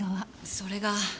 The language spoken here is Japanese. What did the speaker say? それが。